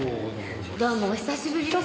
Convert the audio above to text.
どうもお久しぶりです。